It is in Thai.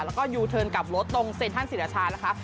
แล้วก็ยูเทิร์นกลับรถตรงเซ็นทรัลศิราชานะคะ